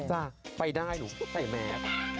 จ้ะไปได้หนูไปแม่